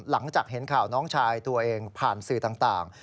หลังจากเห็นข่าวน้องชายตัวเองผ่านสื่อต่าง